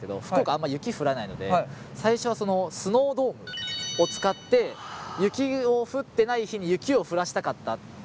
あんまり雪が降らないので最初はスノードームを使って雪の降ってない日に雪を降らしたかったっていうのが始まりで。